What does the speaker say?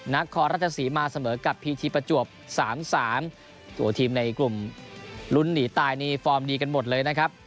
นครราชสีมาเสมอกับพีทีประจวบ๓๓ตัวทีมในกลุ่มลุ้นหนีตายนี่ฟอร์มดีกันหมดเลยนะครับ